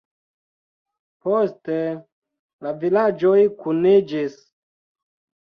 Poste la vilaĝoj kuniĝis.